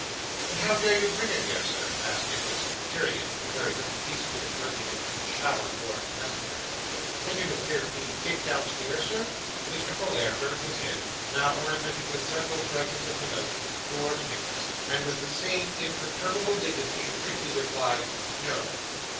'And how dare you bring it here, sir?' asked Nicholas, tearing it into very little pieces, and jerking it in a shower towards the messenger. 'Had you no fear of being kicked downstairs, sir?' Mr. Folair turned his head now ornamented with several fragments of the note towards Nicholas, and with the same imperturbable dignity, briefly replied 'No.